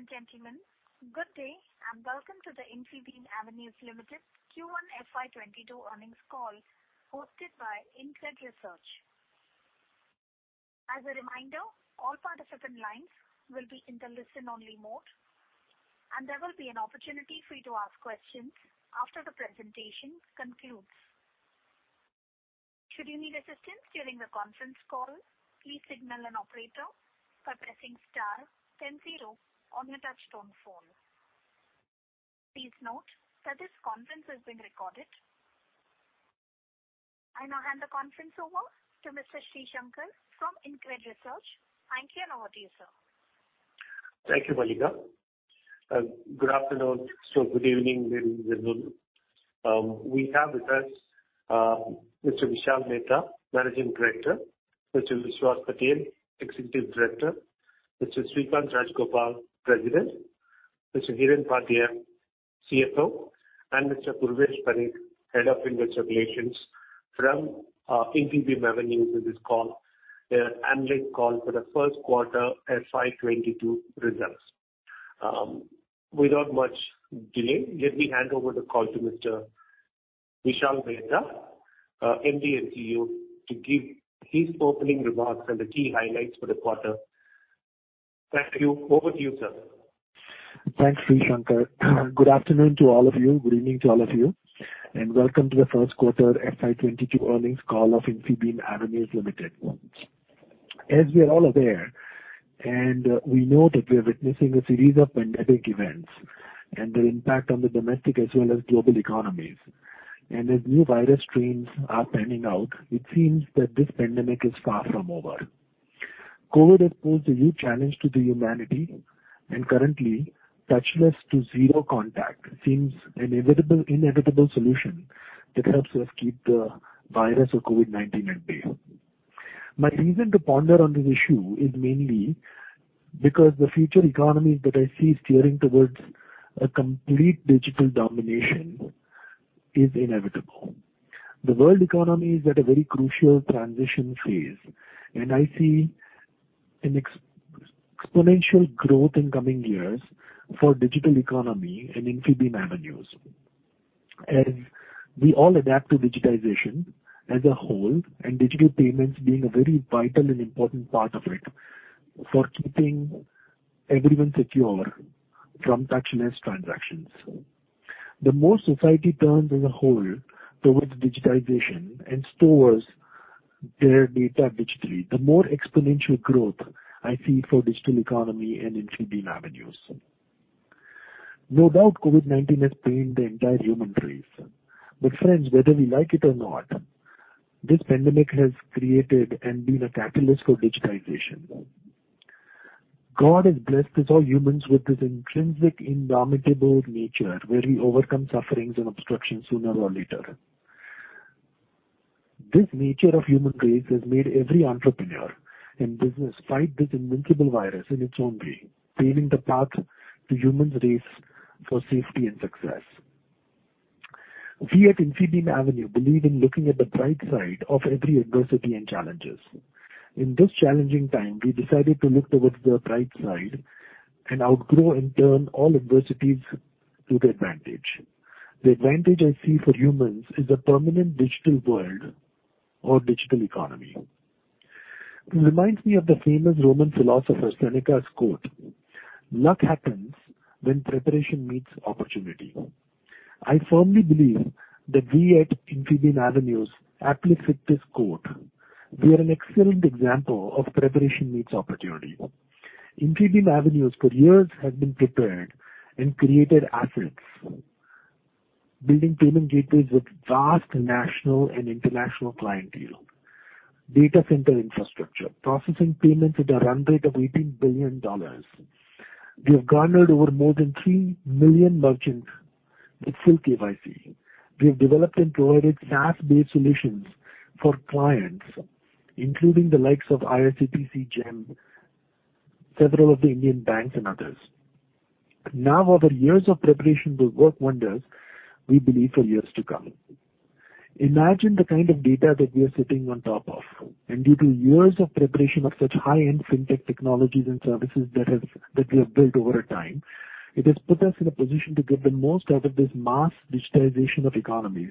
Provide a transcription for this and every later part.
Ladies and gentlemen, good day and welcome to the Infibeam Avenues Limited Q1 FY 2022 earnings call hosted by InCred Research. As a reminder, all participant lines will be in the listen-only mode, and there will be an opportunity for you to ask questions after the presentation concludes. Should you need assistance during the conference call, please signal an operator by pressing star then zero on your touch-tone phone. Please note that this conference is being recorded. I now hand the conference over to Mr. Sreesankar from InCred Research. Thank you, and over to you, sir. Thank you, Mallika. Good afternoon. Good evening, everyone. We have with us Mr. Vishal Mehta, Managing Director; Mr. Vishwas Patel, Executive Director; Mr. Srikanth Rajagopalan, President; Mr. Hiren Padhya, CFO; and Mr. Purvesh Parekh, Head of Investor Relations from Infibeam Avenues in this call, the analyst call for the first quarter FY 2022 results. Without much delay, let me hand over the call to Mr. Vishal Mehta, MD & CEO, to give his opening remarks and the key highlights for the quarter. Thank you. Over to you, sir. Thanks, Sreesankar. Good afternoon to all of you, good evening to all of you, and welcome to the first quarter FY 2022 earnings call of Infibeam Avenues Limited. As we are all aware, and we know that we're witnessing a series of pandemic events and their impact on the domestic as well as global economies. As new virus strains are panning out, it seems that this pandemic is far from over. COVID has posed a huge challenge to humanity, and currently, touchless to zero contact seems an inevitable solution that helps us keep the virus or COVID-19 at bay. My reason to ponder on this issue is mainly because the future economy that I see steering towards a complete digital domination is inevitable. The world economy is at a very crucial transition phase, and I see an exponential growth in coming years for digital economy and Infibeam Avenues. As we all adapt to digitization as a whole, and digital payments being a very vital and important part of it for keeping everyone secure from touchless transactions. The more society turns as a whole towards digitization and stores their data digitally, the more exponential growth I see for digital economy and Infibeam Avenues. No doubt, COVID-19 has pained the entire human race. Friends, whether we like it or not, this pandemic has created and been a catalyst for digitization. God has blessed us all humans with this intrinsic, indomitable nature, where we overcome sufferings and obstructions sooner or later. This nature of human race has made every entrepreneur in business fight this invincible virus in its own way, paving the path to human race for safety and success. We at Infibeam Avenues believe in looking at the bright side of every adversity and challenges. In this challenging time, we decided to look towards the bright side and outgrow and turn all adversities to the advantage. The advantage I see for humans is a permanent digital world or digital economy. It reminds me of the famous Roman philosopher Seneca's quote, "Luck happens when preparation meets opportunity." I firmly believe that we at Infibeam Avenues aptly fit this quote. We are an excellent example of preparation meets opportunity. Infibeam Avenues for years has been prepared and created assets, building payment gateways with vast national and international clientele, data center infrastructure, processing payments at a run rate of $18 billion. We have garnered over more than 3 million merchants with full KYC. We have developed and provided SaaS-based solutions for clients, including the likes of IRCTC, GeM, several of the Indian banks, and others. Our years of preparation will work wonders, we believe for years to come. Imagine the kind of data that we are sitting on top of. Due to years of preparation of such high-end fintech technologies and services that we have built over time, it has put us in a position to get the most out of this mass digitization of economies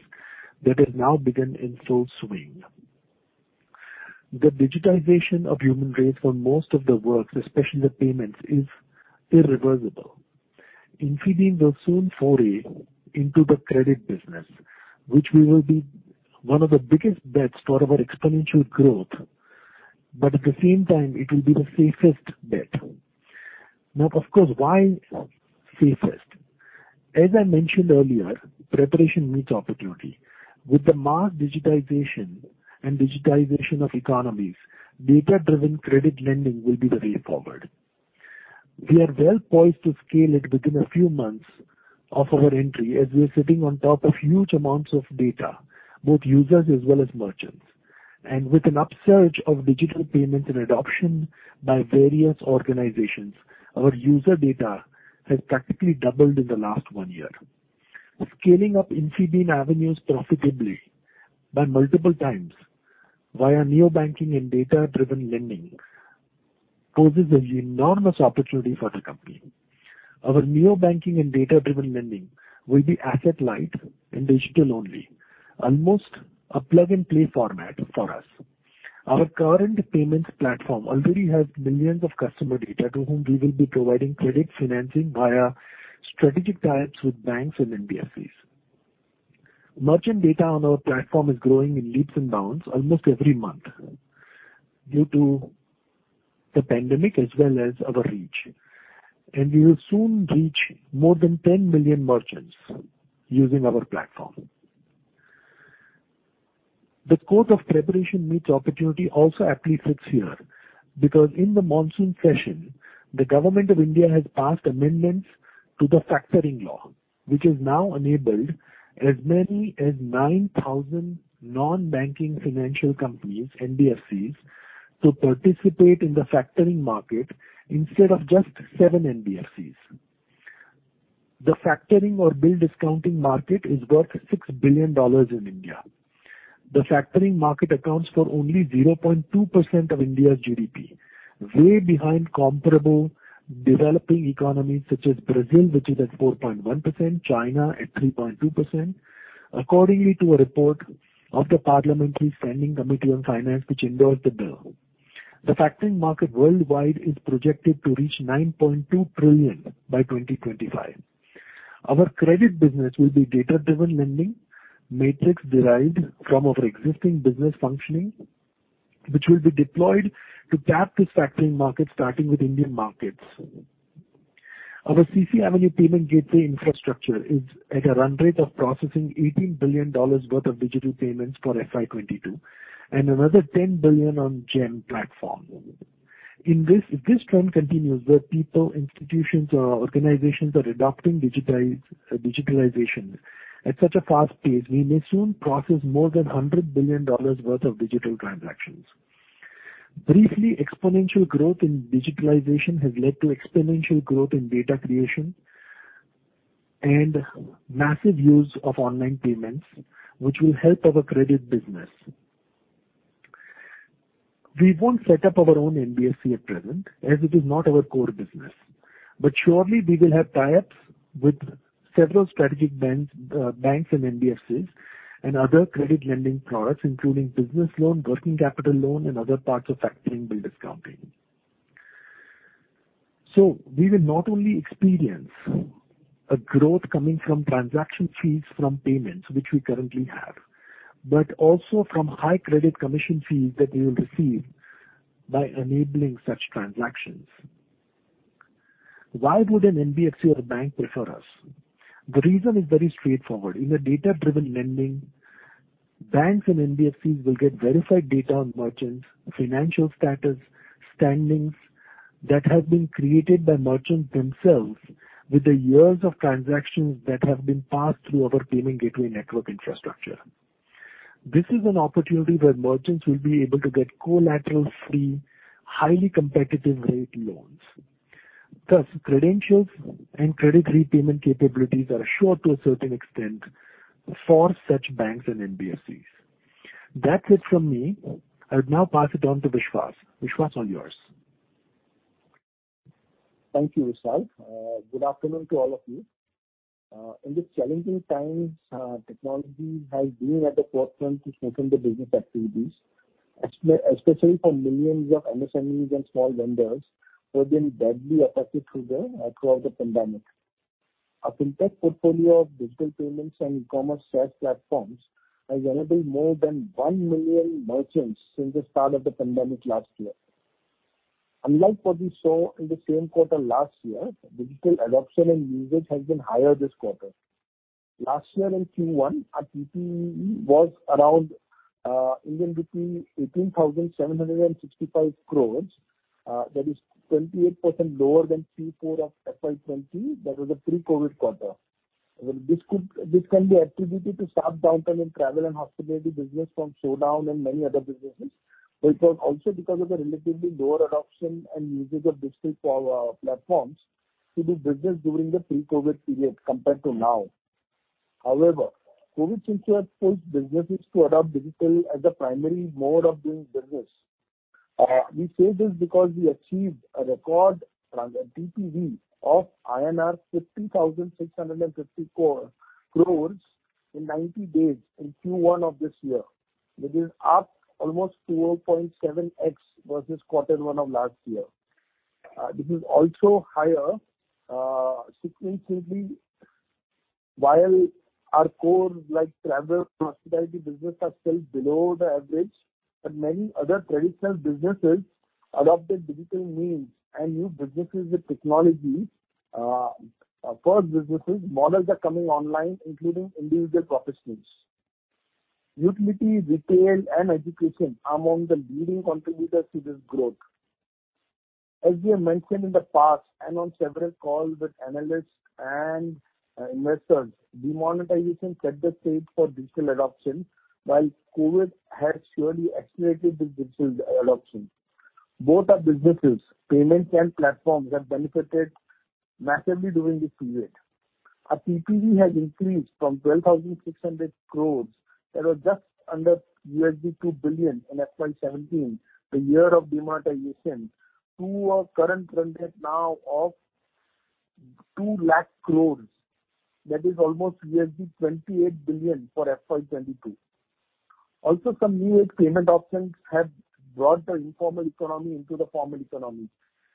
that has now begun in full swing. The digitization of human race for most of the world, especially the payments, is irreversible. Infibeam will soon foray into the credit business, which will be one of the biggest bets for our exponential growth. At the same time, it will be the safest bet. Of course, why safest? As I mentioned earlier, preparation meets opportunity. With the mass digitization and digitization of economies, data-driven credit lending will be the way forward. We are well poised to scale it within a few months of our entry, as we are sitting on top of huge amounts of data, both users as well as merchants. With an upsurge of digital payments and adoption by various organizations, our user data has practically doubled in the last one year. Scaling up Infibeam Avenues profitably by multiple times via Neo Banking and data-driven lending poses an enormous opportunity for the company. Our Neo Banking and data-driven lending will be asset-light and digital-only, almost a plug-and-play format for us. Our current payments platform already has millions of customer data to whom we will be providing credit financing via strategic tie-ups with banks and NBFCs. Merchant data on our platform is growing in leaps and bounds almost every month due to the pandemic as well as our reach. We will soon reach more than 10 million merchants using our platform. The quote of preparation meets opportunity also aptly fits here, because in the monsoon session, the Government of India has passed amendments to the factoring law. Which has now enabled as many as 9,000 non-banking financial companies (NBFCs), to participate in the factoring market instead of just seven NBFCs. The factoring or bill discounting market is worth $6 billion in India. The factoring market accounts for only 0.2% of India's GDP, way behind comparable developing economies such as Brazil, which is at 4.1%, China at 3.2%, according to a report of the Parliamentary Standing Committee on Finance which endorsed the bill. The factoring market worldwide is projected to reach $9.2 trillion by 2025. Our credit business will be data-driven lending matrix derived from our existing business functioning, which will be deployed to tap this factoring market, starting with Indian markets. Our CCAvenue payment gateway infrastructure is at a run rate of processing $18 billion worth of digital payments for FY 2022, and another $10 billion on GeM platform. If this trend continues, where people, institutions or organizations are adopting digitalization at such a fast pace, we may soon process more than $100 billion worth of digital transactions. Briefly, exponential growth in digitalization has led to exponential growth in data creation and massive use of online payments, which will help our credit business. We won't set up our own NBFC at present, as it is not our core business. Surely, we will have tie-ups with several strategic banks and NBFCs and other credit lending products, including business loan, working capital loan, and other parts of factoring bill discounting. We will not only experience a growth coming from transaction fees from payments which we currently have, but also from high credit commission fees that we will receive by enabling such transactions. Why would an NBFC or a bank prefer us? The reason is very straightforward. In a data-driven lending, banks and NBFCs will get verified data on merchants, financial status, standings that have been created by merchants themselves with the years of transactions that have been passed through our payment gateway network infrastructure. This is an opportunity where merchants will be able to get collateral-free, highly competitive rate loans. Plus, credentials and credit repayment capabilities are sure to a certain extent for such banks and NBFCs. That's it from me. I'll now pass it on to Vishwas. Vishwas, all yours. Thank you, Vishal. Good afternoon to all of you. In these challenging times, technology has been at the forefront to smoothen the business activities, especially for millions of MSMEs and small vendors who have been badly affected throughout the pandemic. Our fintech portfolio of digital payments and e-commerce SaaS platforms has enabled more than 1 million merchants since the start of the pandemic last year. Unlike what we saw in the same quarter last year, digital adoption and usage has been higher this quarter. Last year in Q1, our TPV was around Indian rupee 18,765 crore, that is 28% lower than Q4 of FY 2020. That was a pre-COVID quarter. This can be attributed to sharp downtime in travel and hospitality business from slowdown and many other businesses, but it was also because of the relatively lower adoption and usage of digital platforms to do business during the pre-COVID period compared to now. However, COVID since has pushed businesses to adopt digital as the primary mode of doing business. We say this because we achieved a record TPV of INR 50,654 crore in 90 days in Q1 of this year. This is up almost 4.7x versus quarter one of last year. This is also higher sequentially while our core like travel and hospitality business are still below the average, but many other traditional businesses adopted digital means and new businesses with technology. First businesses, models are coming online, including individual professionals. Utility, retail, and education are among the leading contributors to this growth. As we have mentioned in the past and on several calls with analysts and investors, demonetization set the stage for digital adoption, while COVID has surely accelerated this digital adoption. Both our businesses, payments and platforms, have benefited massively during this period. Our TPV has increased from 12,600 crore that were just under $2 billion in FY 2017, the year of demonetization, to our current run rate now of 2 lakh crore. That is almost $28 billion for FY 2022. Some new age payment options have brought the informal economy into the formal economy,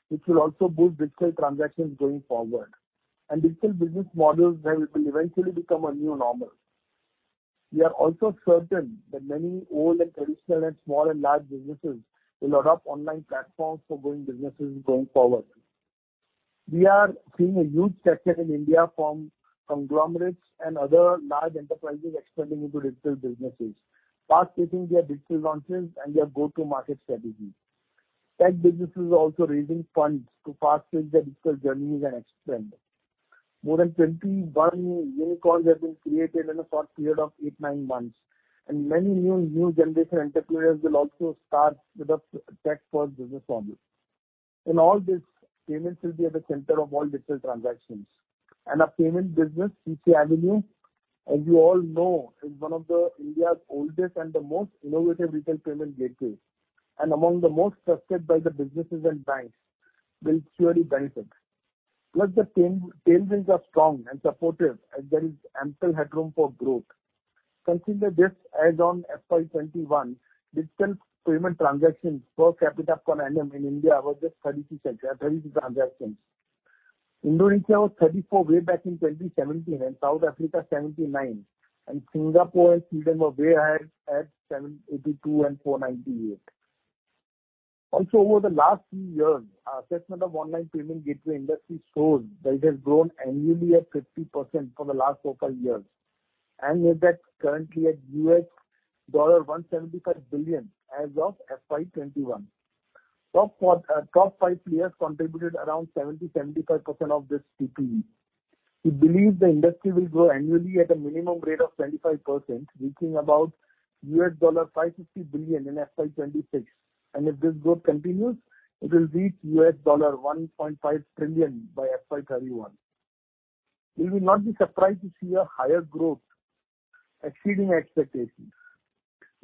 which will also boost digital transactions going forward. Digital business models will eventually become a new normal. We are also certain that many old and traditional and small and large businesses will adopt online platforms for doing businesses going forward. We are seeing a huge sector in India from conglomerates and other large enterprises expanding into digital businesses, fast-pacing their digital launches and their go-to market strategies. Tech businesses are also raising funds to fast-pace their digital journeys and expand. More than 21 unicorns have been created in a short period of eight, nine months, and many new generation entrepreneurs will also start with tech-first business models. In all this, payments will be at the center of all digital transactions. Our payment business, CCAvenue, as you all know, is one of India's oldest and the most innovative retail payment gateways, and among the most trusted by the businesses and banks, will surely benefit. Plus, the tailwinds are strong and supportive as there is ample headroom for growth. Consider this, as on FY 2021, digital payment transactions per capita per annum in India was just 33 transactions. Indonesia was 34 way back in 2017, South Africa 79, Singapore and Sweden were way ahead at 782 and 498. Over the last three years, our assessment of online payment gateway industry shows that it has grown annually at 50% for the last local years and is currently at $175 billion as of FY 2021. Top five players contributed around 70%-75% of this TPV. We believe the industry will grow annually at a minimum rate of 25%, reaching about $550 billion in FY 2026. If this growth continues, it will reach $1.5 trillion by FY 2031. We will not be surprised to see a higher growth exceeding expectations.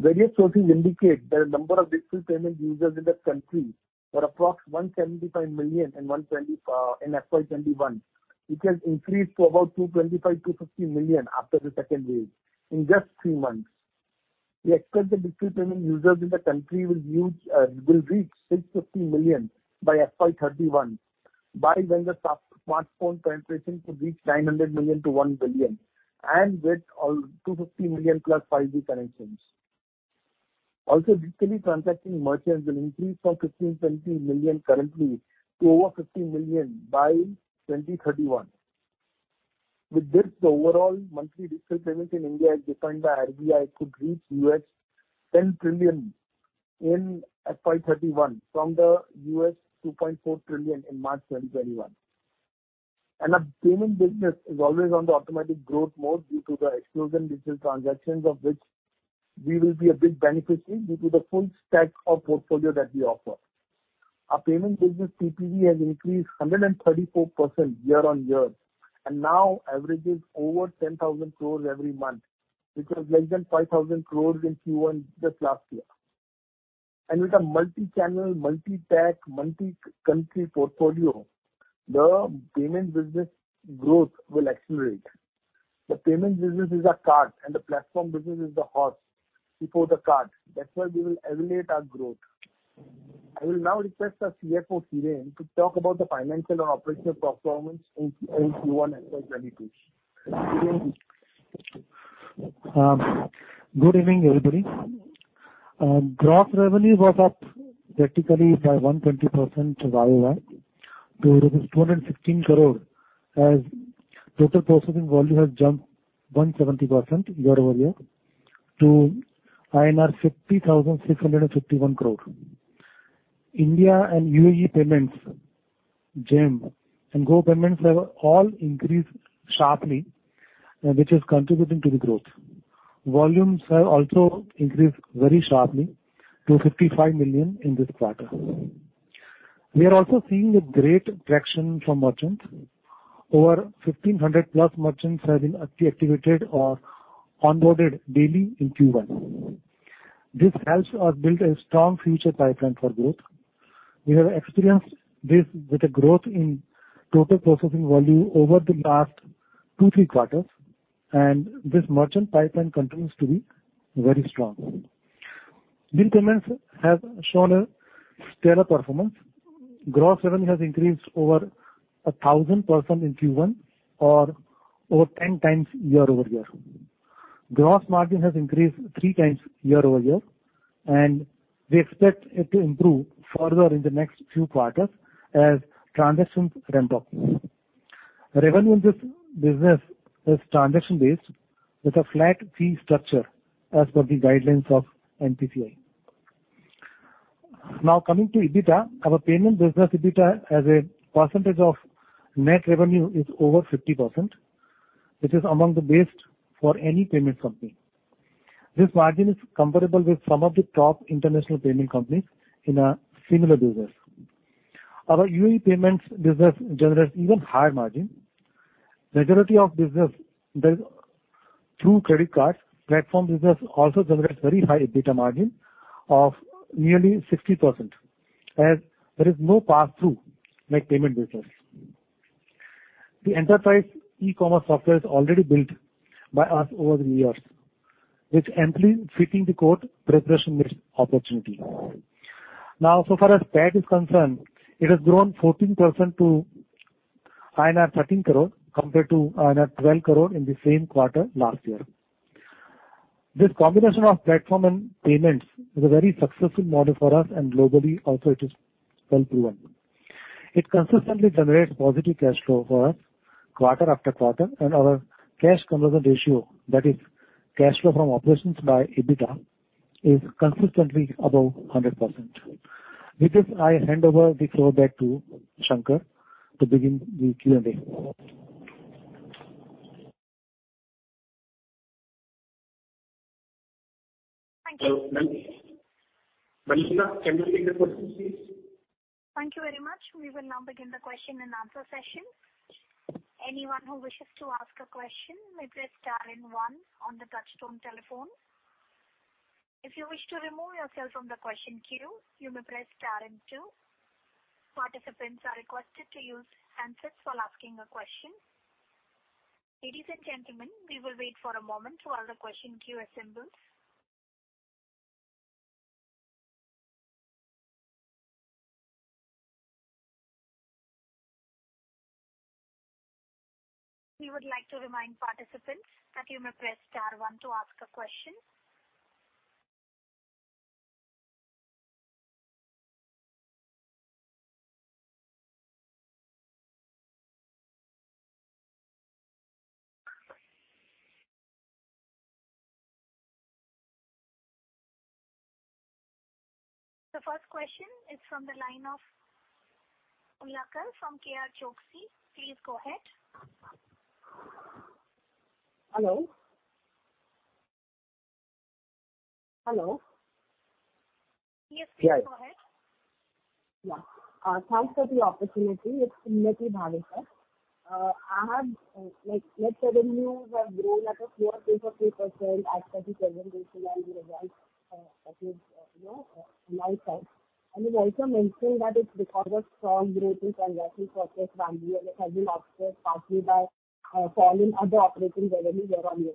Various sources indicate that the number of digital payment users in the country were approx 175 million in FY 2021, which has increased to about 225 million-250 million after the second wave in just three months. We expect the digital payment users in the country will reach 650 million by FY 2031, by when the smartphone penetration could reach 900 million-1 billion and with 250 million+ 5G connections. Digitally transacting merchants will increase from 15 million-17 million currently to over 50 million by 2031. With this, the overall monthly digital payment in India, as defined by RBI, could reach $10 trillion in FY 2031 from the $2.4 trillion in March 2021. Our payment business is always on the automatic growth mode due to the explosion digital transactions, of which we will be a big beneficiary due to the full stack of portfolio that we offer. Our payment business TPV has increased 134% year-on-year, and now averages over 10,000 crore every month, which was less than 5,000 crore in Q1 just last year. With a multi-channel, multi-tech, multi-country portfolio, the payment business growth will accelerate. The payment business is a cart and the platform business is the horse before the cart. That's why we will elevate our growth. I will now request our CFO, Hiren, to talk about the financial and operational performance in Q1 FY 2022. Hiren Padhya? Good evening, everybody. Gross revenue was up practically by 120% YoY to INR 216 crore as total processing volume has jumped 170% year-over-year to INR 50,651 crore. India and UAE payments, GeM and Go Payments have all increased sharply, which is contributing to the growth. Volumes have also increased very sharply to 55 million in this quarter. We are also seeing a great traction from merchants. Over 1,500+ merchants have been activated or onboarded daily in Q1. This helps us build a strong future pipeline for growth. We have experienced this with a growth in total processing volume over the last two, three quarters, and this merchant pipeline continues to be very strong. Bill Payments has shown a stellar performance. Gross revenue has increased over 1,000% in Q1 or over 10x year-over-year. Gross margin has increased 3x year-over-year, and we expect it to improve further in the next few quarters as transactions ramp up. Revenue in this business is transaction-based with a flat fee structure as per the guidelines of NPCI. Coming to EBITDA, our payment business EBITDA as a percentage of net revenue is over 50%, which is among the best for any payment company. This margin is comparable with some of the top international payment companies in a similar business. Our UAE payments business generates even higher margin. Majority of business done through credit cards. Platform business also generates very high EBITDA margin of nearly 60%, as there is no passthrough like payment business. The enterprise e-commerce software is already built by us over the years, which amply fitting the quote, "Preparation meets opportunity." Now, so far as PAT is concerned, it has grown 14% to INR 13 crore compared to INR 12 crore in the same quarter last year. This combination of platform and payments is a very successful model for us and globally, also, it is well-proven. It consistently generates positive cash flow for us quarter after quarter, and our cash conversion ratio, that is cash flow from operations by EBITDA, is consistently above 100%. With this, I hand over the floor back to Sankar to begin the Q&A. Thank you. Manisha, can you take the questions, please? Thank you very much. We will now begin the question-and-answer session. Anyone who wishes to ask a question may press star and one on the touchtone telephone. If you wish to remove yourself from the question queue, you may press star and two. Participants are requested to use handsets while asking a question. Ladies and gentlemen, we will wait for a moment while the question queue assembles. We would like to remind participants that you may press star one to ask a question. The first question is from the line of Ulakal from KR Choksey. Please go ahead. Hello? Hello? Yes, please go ahead. Thanks for the opportunity. It is Unnati Bhavekar. Net revenues have grown at a slower pace of 3% as per the presentation and the results that is live now. You also mentioned that it is because of strong growth in transaction processed volume has been offset partly by a fall in other operating revenue year-on-year.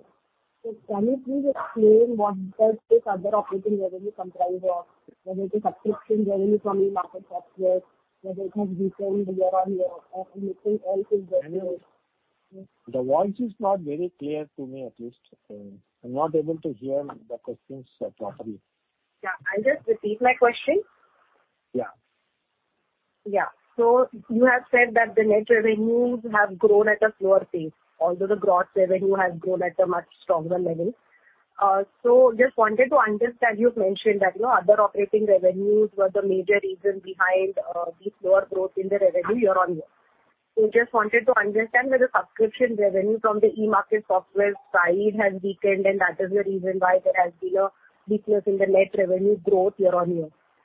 Can you please explain what does this other operating revenue comprise of? Whether it is subscription revenue from e-market software, whether it has weakened year-on-year or anything else is the case? The voice is not very clear to me, at least. I am not able to hear the questions properly. Yeah. I'll just repeat my question. Yeah. Yeah. You have said that the net revenues have grown at a slower pace, although the gross revenue has grown at a much stronger level. Just wanted to understand, you've mentioned that other operating revenues were the major reason behind the slower growth in the revenue year-on-year. Just wanted to understand whether subscription revenue from the e-market software side has weakened, and that is the reason why there has been a weakness in the net revenue growth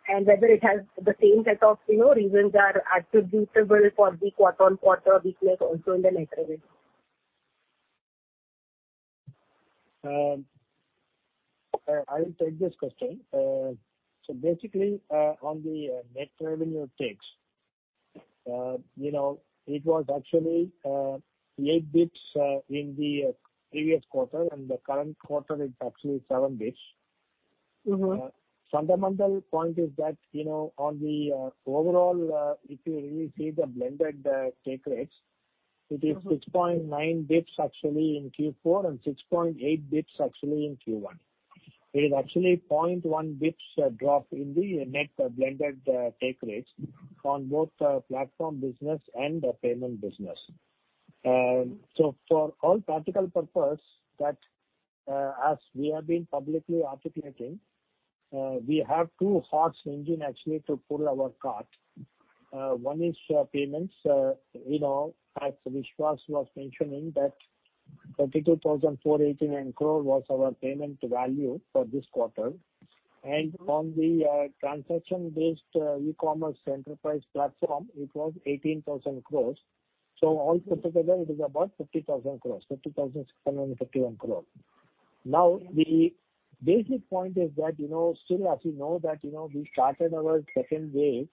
year-on-year. Whether it has the same set of reasons are attributable for the quarter-on-quarter weakness also in the net revenue. I will take this question. Basically, on the net revenue takes, it was actually 8 basis points in the previous quarter. The current quarter is actually 7 basis points. Fundamental point is that on the overall, if you really see the blended take rates. It is 6.9 basis points actually in Q4 and 6.8 basis points actually in Q1. It is actually 0.1 basis points drop in the net blended take rates on both platform business and payment business. For all practical purpose, as we have been publicly articulating, we have two horse engine actually to pull our cart. One is payments. As Vishwas was mentioning that 32,489 crore was our payment value for this quarter. From the transaction-based e-commerce enterprise platform, it was 18,000 crore. All put together, it is about 50,000 crore, 50,651 crore. The basic point is that still as you know that we started our second wave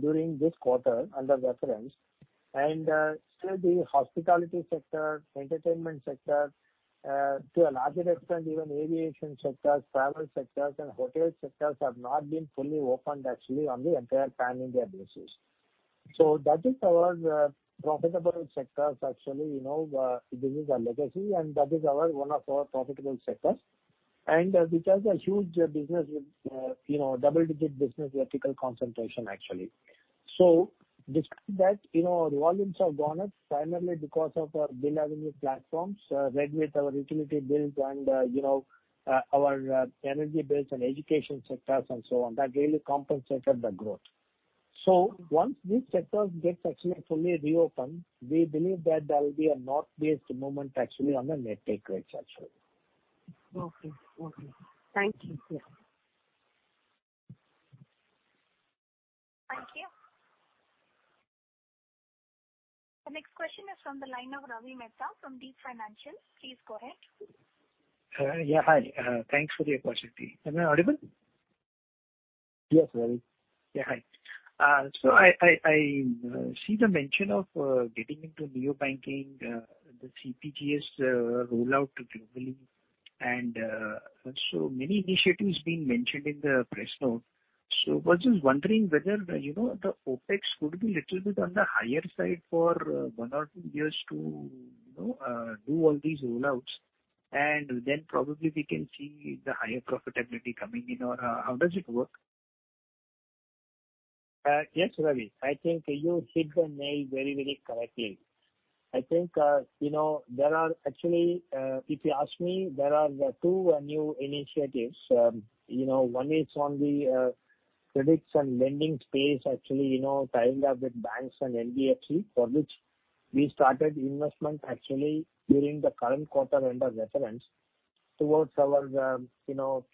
during this quarter under reference. Still the hospitality sector, entertainment sector, to a large extent, even aviation sectors, travel sectors, and hotel sectors have not been fully opened actually on the entire pan-India basis. That is our profitable sectors actually. This is our legacy, and that is one of our profitable sectors. It has a huge business with double-digit business vertical concentration, actually. Despite that, our volumes have gone up primarily because of our BillAvenue platforms linked with our utility bills and our energy bills and education sectors and so on. That really compensated the growth. Once these sectors get fully reopened, we believe that there will be a north-based movement on the net take rates actually. Okay. Thank you. Thank you. The next question is from the line of Ravi Mehta from Deep Financial. Please go ahead. Yeah, hi. Thanks for the opportunity. Am I audible? Yes, Ravi. Yeah, hi. I see the mention of getting into Neo Banking, the CPGS rollout globally, and so many initiatives being mentioned in the press note. I was just wondering whether the OpEx could be little bit on the higher side for one or two years to do all these rollouts, and then probably we can see the higher profitability coming in, or how does it work? Yes, Ravi. I think you hit the nail very correctly. I think, if you ask me, there are two new initiatives. One is on the credits and lending space, tying up with banks and NBFC, for which we started investment during the current quarter under reference towards our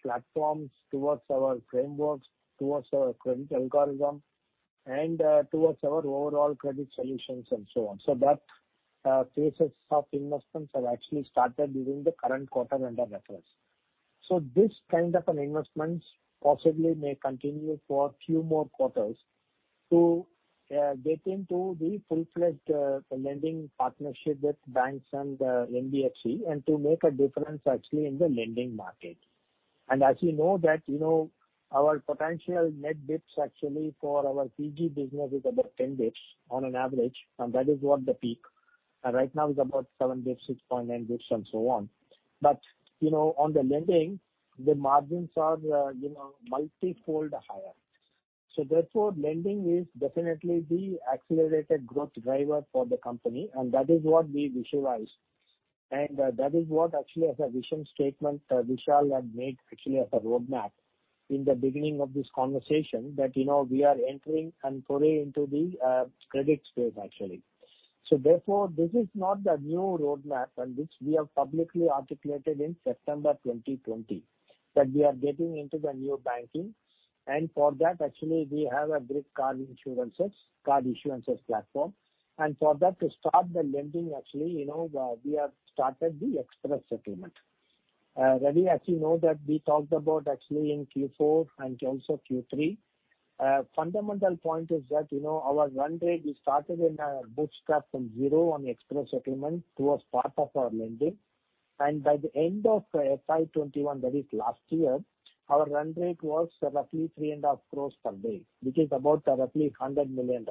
platforms, towards our frameworks, towards our credit algorithm, and towards our overall credit solutions and so on. That phases of investments have actually started during the current quarter under reference. This kind of investments possibly may continue for a few more quarters to get into the full-fledged lending partnership with banks and NBFC and to make a difference in the lending market. As you know that our potential net basis points for our PG business is about 10 basis points on an average, and that is what the peak. Right now is about 7 basis points, 6.9 basis points, and so on. On the lending, the margins are multifold higher. Therefore, lending is definitely the accelerated growth driver for the company, and that is what we visualize. That is what as a vision statement Vishal had made as a roadmap in the beginning of this conversation that we are entering and foray into the credit space. Therefore, this is not the new roadmap and which we have publicly articulated in September 2020, that we are getting into the Neo Banking. For that, actually, we have a GRIT card issuances platform. For that to start the lending, we have started the Express Settlement. Ravi, as you know that we talked about in Q4 and also Q3. Fundamental point is that our run rate, we started in a bootstrap from zero on express settlement towards part of our lending. By the end of FY 2021, that is last year, our run rate was roughly 3.5 crore per day, which is about roughly $100 million.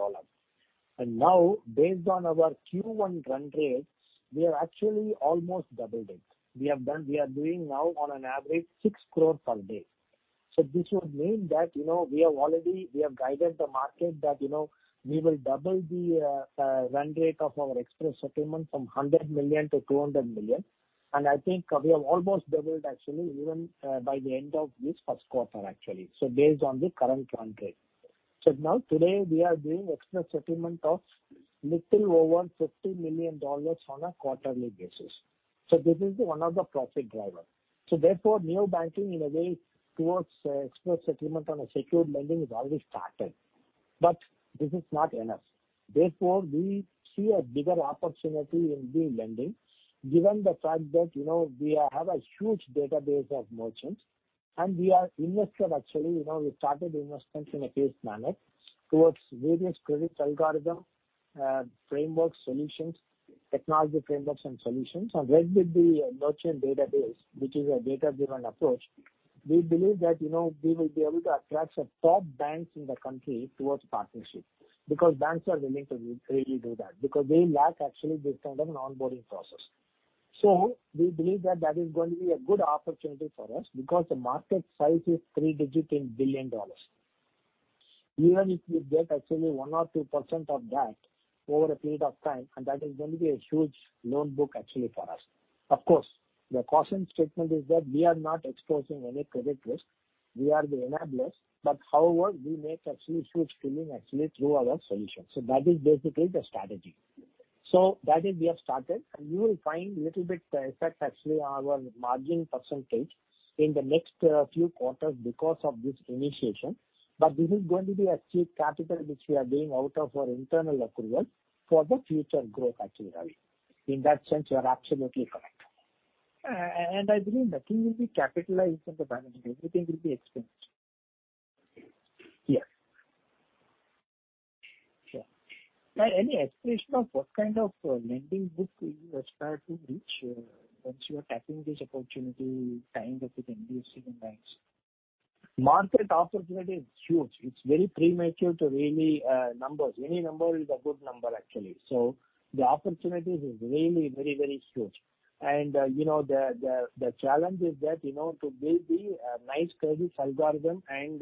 Now based on our Q1 run rates, we have actually almost doubled it. We are doing now on an average 6 crore per day. This would mean that we have guided the market that we will double the run rate of our express settlement from $100 million to $200 million. I think we have almost doubled even by the end of this first quarter. Based on the current run rate, now today, we are doing express settlement of little over $50 million on a quarterly basis. This is one of the profit driver. Therefore, Neo Banking in a way towards express settlement on a secured lending is already started. This is not enough. We see a bigger opportunity in the lending given the fact that we have a huge database of merchants and we are invested. We started investments in a phased manner towards various credit algorithm, frameworks, solutions, technology frameworks and solutions. With the merchant database, which is a data-driven approach, we believe that we will be able to attract the top banks in the country towards partnership. Banks are willing to really do that, because they lack this kind of an onboarding process. We believe that that is going to be a good opportunity for us because the market size is three-digit in billion dollars. Even if we get actually 1% or 2% of that over a period of time, that is going to be a huge loan book actually for us. Of course, the caution statement is that we are not exposing any credit risk. We are the enablers. However, we make actually huge billing through our solution. That is basically the strategy. That is we have started, and you will find little bit effect actually on our margin percentage in the next few quarters because of this initiation. This is going to be a cheap capital which we are doing out of our internal accrual for the future growth, actually, Ravi. In that sense, you are absolutely correct. I believe nothing will be capitalized in the balance sheet. Everything will be expensed. Yes. Sure. Any aspiration of what kind of lending book you aspire to reach once you are tapping this opportunity tying up with NBFC and banks? Market opportunity is huge. It's very premature to really numbers. Any number is a good number, actually. The opportunities is really very huge. The challenge is that to build the nice credit algorithm and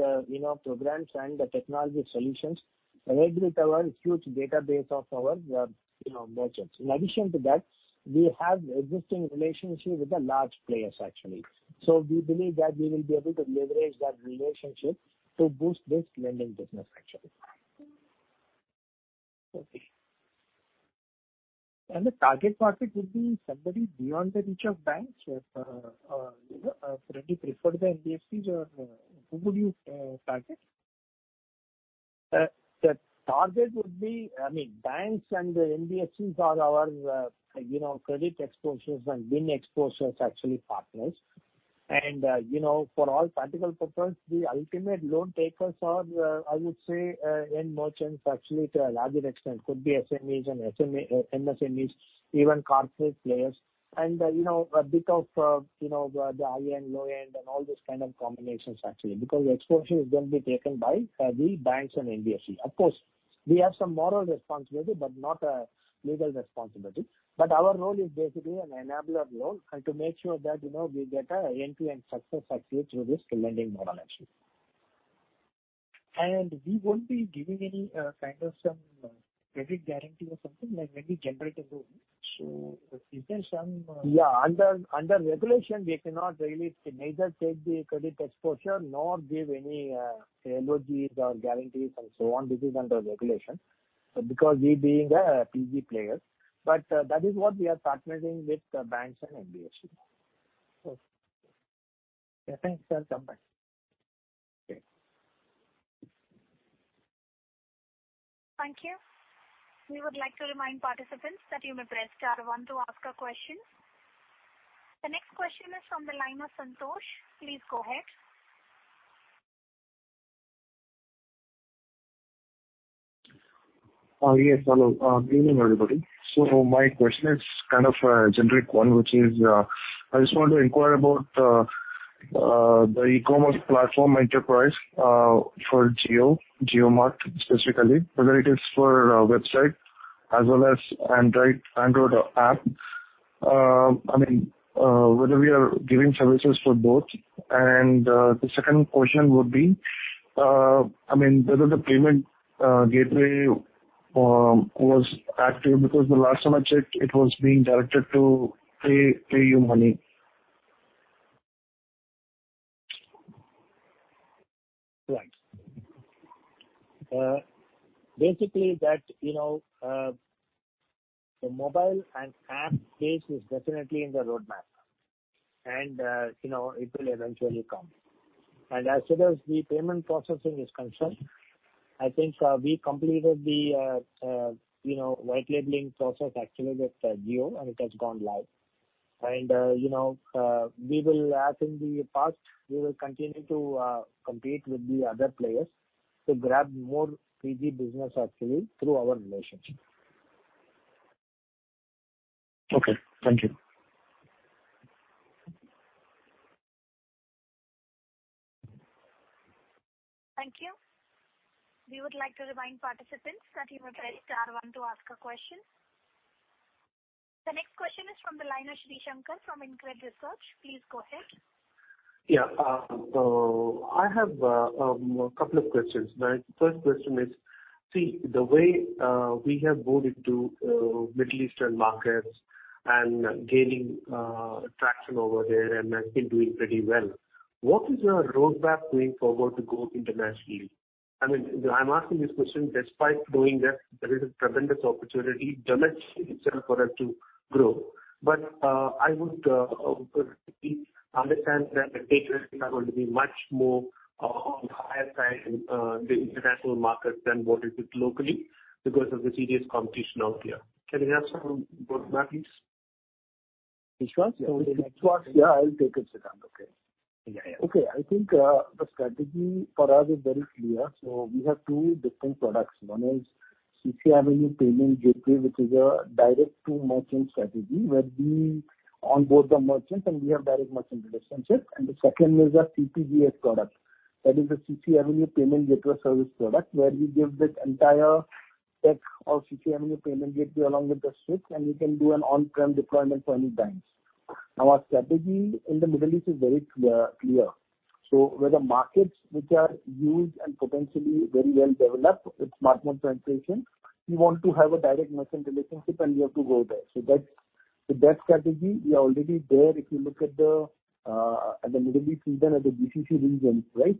programs and the technology solutions linked with our huge database of our merchants. In addition to that, we have existing relationship with the large players. We believe that we will be able to leverage that relationship to boost this lending business. Okay. The target market would be somebody beyond the reach of banks or readily preferred the NBFCs or who would you target? The target would be, banks and NBFCs are our credit exposures and BIN exposures actually partners. For all practical purpose, the ultimate loan takers are, I would say, end merchants actually to a larger extent could be SMEs and MSMEs, even corporate players. A bit of the high-end, low-end, and all these kinds of combinations actually, because exposure is going to be taken by the banks and NBFC. Of course, we have some moral responsibility, but not a legal responsibility. Our role is basically an enabler role and to make sure that we get a end-to-end success actually through this lending model actually. We won't be giving any kind of some credit guarantee or something like when we generate a loan. Under regulation, we cannot really neither take the credit exposure nor give any LOGs or guarantees and so on. This is under regulation because we being a PG player. That is what we are partnering with banks and NBFCs. Okay. Thanks, sir. I will come back. Okay. Thank you. We would like to remind participants that you may press star one to ask a question. The next question is from the line of Santhosh. Please go ahead. Yes, hello. Good evening, everybody. My question is kind of a generic one, which is, I just want to inquire about the e-commerce platform enterprise for Jio, JioMart specifically, whether it is for website as well as Android app. Whether we are giving services for both. The second question would be whether the payment gateway was active because the last time I checked, it was being directed to PayU Money. Right. Basically, that mobile and app space is definitely in the roadmap and it will eventually come. As far as the payment processing is concerned, I think we completed the white labeling process actually with Jio, and it has gone live. As in the past, we will continue to compete with the other players to grab more PG business actually through our relationship. Okay, thank you. Thank you. We would like to remind participants that you may press star one to ask a question. The next question is from the line of Sreesankar from InCred Research. Please go ahead. I have a couple questions. My first question is, the way we have moved into Middle Eastern markets and gaining traction over there and has been doing pretty well. What is your roadmap going forward to go internationally? I'm asking this question despite knowing that there is a tremendous opportunity domestically itself for us to grow. I would understand that the take rates are going to be much more on the higher side in the international markets than what it is locally because of the serious competition out there. Can we have some roadmaps? Which ones? Yeah, I'll take it, Srikanth. Okay. Okay. I think the strategy for us is very clear. We have two different products. One is CCAvenue payment gateway, which is a direct-to-merchant strategy, where we onboard the merchants, and we have direct merchant relationships. The second is our CPGS product. That is the CCAvenue payment gateway service product, where we give this entire tech of CCAvenue payment gateway along with the switch, and we can do an on-prem deployment for any banks. Our strategy in the Middle East is very clear. Where the markets which are huge and potentially very well developed with smartphone penetration, we want to have a direct merchant relationship and we have to go there. That strategy, we are already there. If you look at the Middle East, even at the GCC region, right?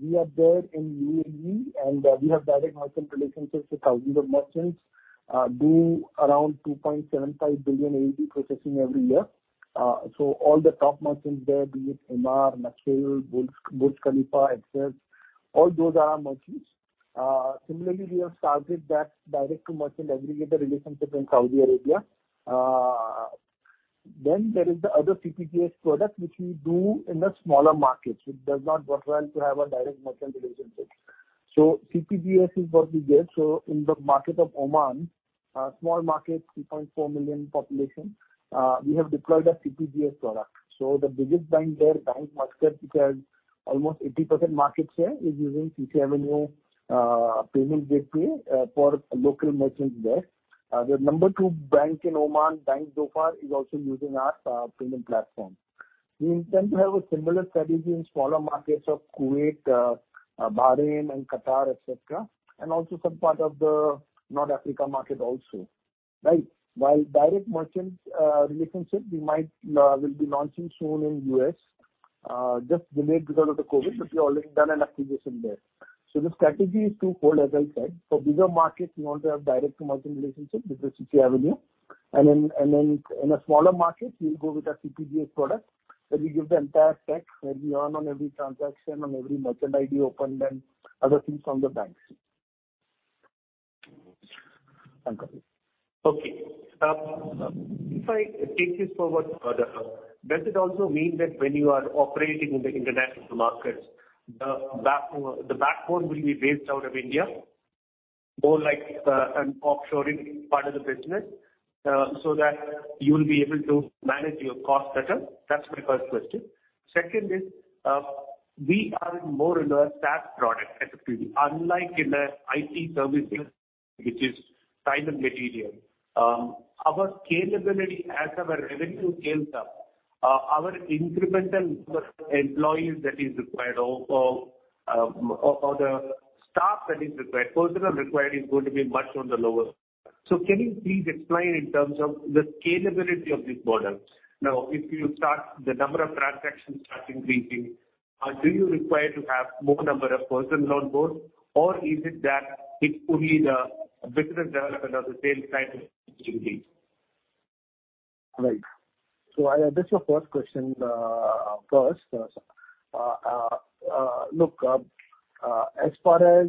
We are there in UAE, and we have direct merchant relationships with thousands of merchants, do around AED 2.75 billion processing every year. All the top merchants there, be it Emaar, Nakheel, Burj Khalifa, Etisalat, all those are our merchants. Similarly, we have started that direct-to-merchant aggregator relationship in Saudi Arabia. There is the other CPGS product, which we do in the smaller markets, which does not work well to have a direct merchant relationship. CPGS is what we get. In the market of Oman, small market, 3.4 million population, we have deployed a CPGS product. The biggest bank there, Bank Muscat, which has almost 80% market share, is using CCAvenue payment gateway for local merchants there. The number two bank in Oman, Bank Dhofar, is also using our payment platform. We intend to have a similar strategy in smaller markets of Kuwait, Bahrain, and Qatar, et cetera, and also some part of the North Africa market also. Right. While direct merchants relationship, we might will be launching soon in U.S. Just delayed because of the COVID-19, but we've already done an acquisition there. The strategy is to hold, as I said. For bigger markets, we want to have direct merchant relationship with the CCAvenue. In a smaller market, we'll go with a CPGS product where we give the entire tech, where we earn on every transaction, on every merchant ID opened and other things from the banks. Okay. If I take this forward further, does it also mean that when you are operating in the international markets, the backbone will be based out of India? More like an offshoring part of the business, so that you will be able to manage your cost better? That's my first question. Second is, we are more in a SaaS product, FP. Unlike in the IT services, which is time and material. Our scalability as our revenue scales up, our incremental employees that is required or the staff that is required, personnel required is going to be much on the lower side. Can you please explain in terms of the scalability of this model? If you start the number of transactions starting increasing, do you require to have more number of persons on board or is it that it's only the business development or the sales side which will increase? Right. I'll address your first question first. Look, as far as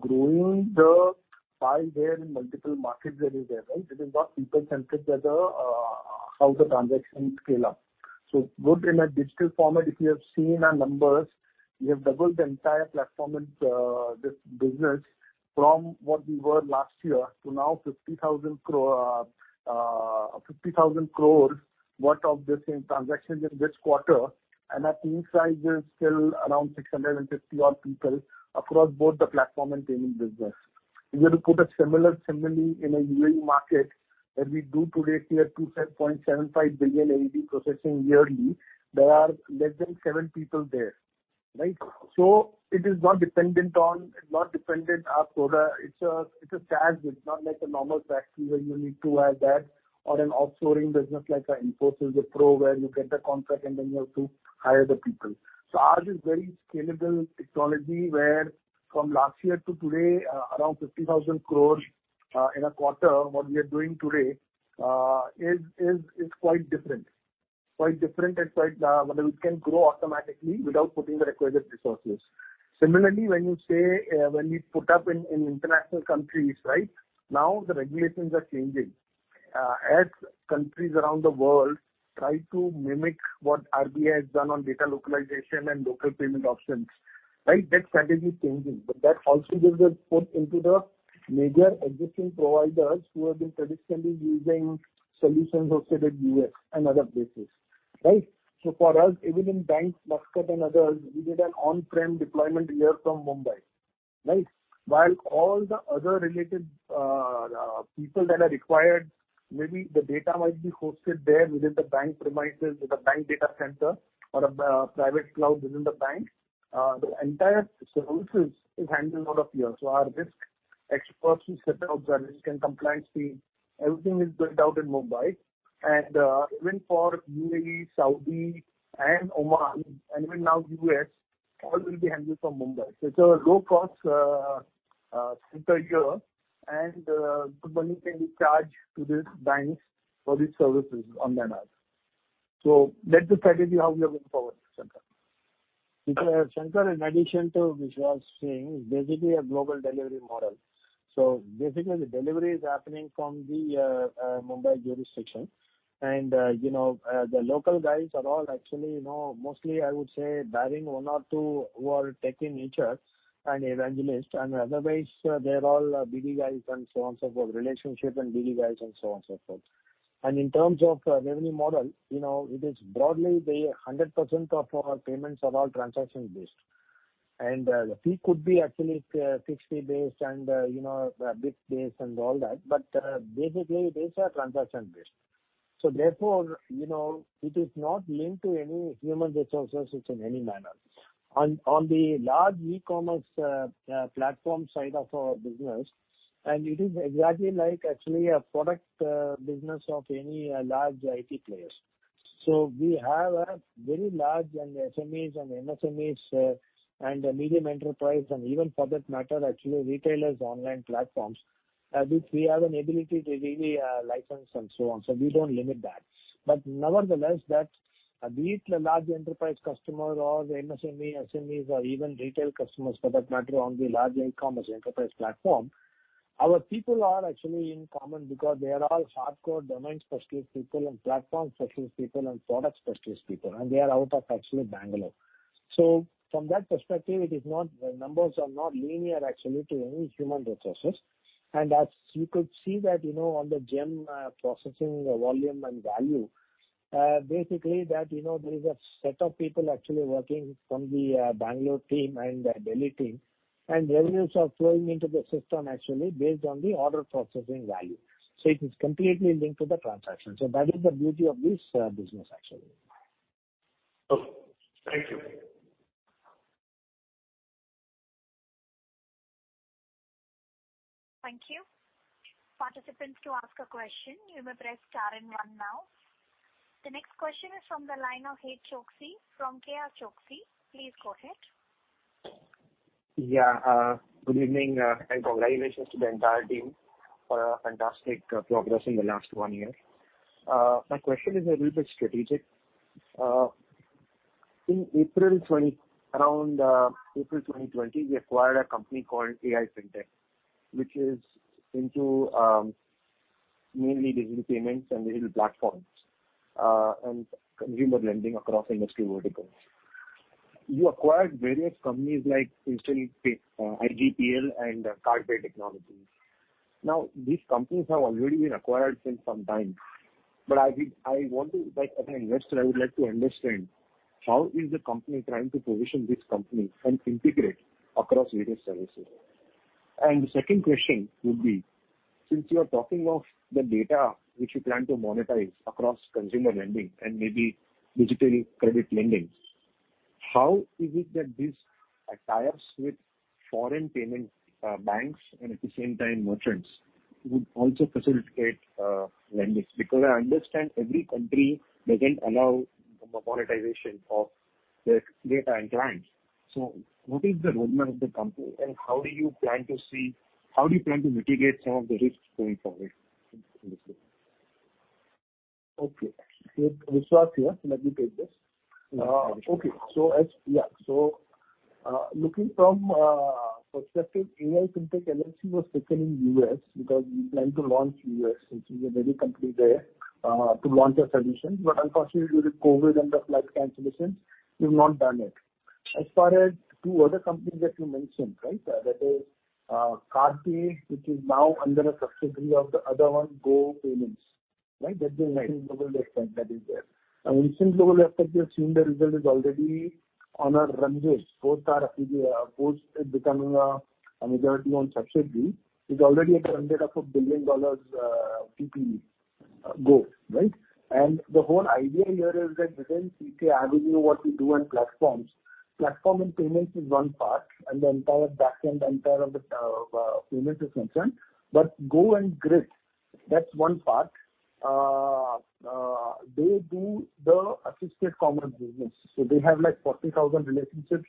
growing the pie where multiple markets are there, right? It is not people-centric, whether how the transactions scale up. Both in a digital format, if you have seen our numbers, we have doubled the entire platform in this business from what we were last year to now 50,000 crore worth of the same transactions in this quarter. Our team size is still around 650-odd people across both the platform and payment business. If you put it similarly in a UAE market that we do today here, 2.75 billion processing yearly, there are less than seven people there. Right? It is not dependent as SaaS. It's a SaaS. It's not like a normal SaaS fee where you need to add that or an offshoring business like a Infosys or Wipro where you get a contract and then you have to hire the people. Ours is very scalable technology, where from last year to today, around 50,000 crore in a quarter, what we are doing today, is quite different. Quite different and quite I mean, it can grow automatically without putting the requisite resources. Similarly, when you put up in international countries, right? Now the regulations are changing. As countries around the world try to mimic what RBI has done on data localization and local payment options. Right? That strategy is changing. That also gives a push into the major existing providers who have been traditionally using solutions hosted at U.S. and other places. Right? For us, even in Bank Muscat and others, we did an on-prem deployment here from Mumbai. Right? While all the other related people that are required, maybe the data might be hosted there within the bank premises, with a bank data center or a private cloud within the bank. The entire services is handled out of here. Our risk experts who set up the risk and compliance fee, everything is built out in Mumbai and even for UAE, Saudi and Oman and even now U.S., all will be handled from Mumbai. It's a low-cost center here, and good money can be charged to these banks for these services on their behalf. That's the strategy how we are moving forward, Sankar. Sankar, in addition to what Vishwas is saying, basically a global delivery model. Basically the delivery is happening from the Mumbai jurisdiction. The local guys are all actually mostly, I would say barring one or two, who are tech in nature and evangelist, and otherwise, they're all BD guys and so on, so forth, relationship and BD guys and so on, so forth. In terms of revenue model, it is broadly 100% of our payments are all transaction-based. The fee could be actually fixed fee based and rate based and all that. Basically these are transaction-based. Therefore, it is not linked to any human resources in any manner. On the large e-commerce platform side of our business, it is exactly like actually a product business of any large IT players. We have a very large SMEs and MSMEs and medium enterprise and even for that matter, actually retailers' online platforms, which we have an ability to really license and so on. We don't limit that. Nevertheless, that be it a large enterprise customer or MSME, SMEs or even retail customers for that matter, on the large e-commerce enterprise platform, our people are actually in common because they are all hardcore domain specialist people and platform specialist people and product specialist people, and they are out of actually Bangalore. From that perspective, numbers are not linear actually to any human resources. As you could see that, on the GeM processing volume and value, basically, there is a set of people actually working from the Bangalore team and the Delhi team, and revenues are flowing into the system actually based on the order processing value. It is completely linked to the transaction. That is the beauty of this business actually. Okay. Thank you. Participants to ask a question, you may press star one now. The next question is from the line of Het Choksi from KRChoksey. Please go ahead. Yeah. Good evening, congratulations to the entire team for a fantastic progress in the last one year. My question is a little bit strategic. Around April 2020, we acquired a company called AI Fintech, which is into mainly digital payments and digital platforms, and consumer lending across industry verticals. You acquired various companies like Instantpay, IGPL, and Cardpay Technologies. Now, these companies have already been acquired since some time, but as an investor, I would like to understand how is the company trying to position this company and integrate across various services? The second question would be, since you are talking of the data which you plan to monetize across consumer lending and maybe digital credit lending, how is it that this aligns with foreign payment banks and at the same time, merchants would also facilitate lenders? I understand every country doesn't allow monetization of their data and clients. What is the roadmap of the company, and how do you plan to mitigate some of the risks going forward in this space? Okay. Vishwas here. Let me take this. Okay. Looking from a perspective, AI Fintech LLC was taken in U.S. because we planned to launch U.S. since we have many company there to launch a solution. Unfortunately, with COVID and the flight cancellations, we've not done it. As far as two other companies that you mentioned, right? That is Cardpay, which is now under a subsidiary of the other one, Go Payments. Right? That is the global front that is there. Recent global effect, you have seen the result is already on a run rate, both are post becoming a majority-owned subsidiary, is already at a run rate of a $1 billion TPV goal, right? The whole idea here is that within CCAvenue, what we do on platforms, platform and payments is one part, and the entire backend, entire of the payment is concerned. Go and Grit, that's one part. They do the assisted commerce business. They have like 40,000 relationships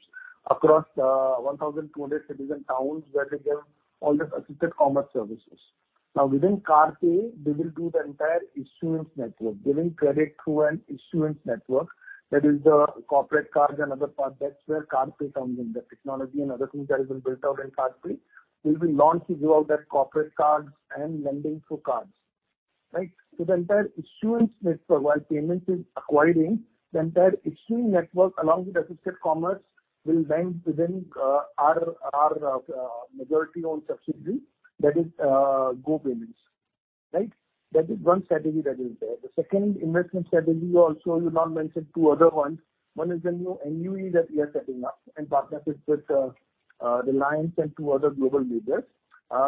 across 1,200 cities and towns where they give all the assisted commerce services. Within Cardpay, they will do the entire issuance network, giving credit through an issuance network. That is the corporate cards and other part, that's where Cardpay comes in. The technology and other things that has been built out in Cardpay will be launched to give out that corporate cards and lending through cards, right? The entire issuance network, while payments is acquiring the entire issuing network along with assisted commerce, will bank within our majority-owned subsidiary, that is Go Payments. Right? That is one strategy that is there. The second investment strategy also, you now mentioned two other ones. One is the new NUE that we are setting up in partnership with Reliance and two other global leaders.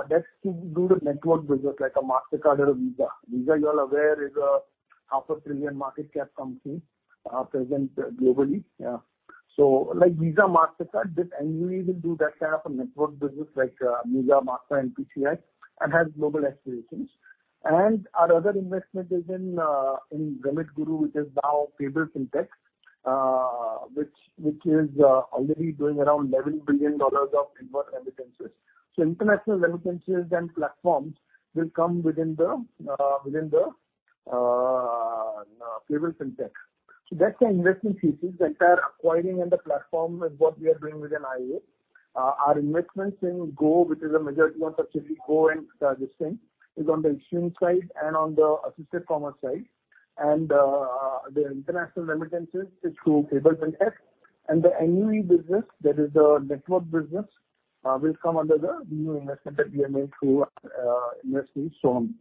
That's to do the network business like a Mastercard or a Visa. Visa, you all are aware, is a $0.5 trillion market cap company present globally. Like Visa, Mastercard, this NUE will do that kind of a network business like Visa, Mastercard and NPCI, and has global aspirations. Our other investment is in RemitGuru, which is now Fable Fintech, which is already doing around INR 11 billion of inward remittances. International remittances and platforms will come within the Fable Fintech. That's the investment thesis. The entire acquiring and the platform is what we are doing within IA. Our investments in Go, which is a majority-owned subsidiary, Go and this thing, is on the issuing side and on the assisted commerce side. The international remittances is through Fable Fintech. The NUE business, that is the network business, will come under the new investment that we have made through investee SoHum.